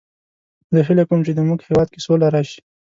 زه هیله کوم چې د مونږ هیواد کې سوله راشي